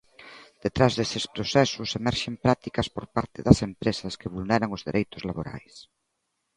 Detrás destes procesos emerxen prácticas por parte das empresas que vulneran os dereitos laborais.